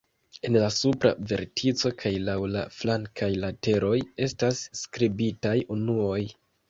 En la supra vertico kaj laŭ la flankaj lateroj estas skribitaj unuoj.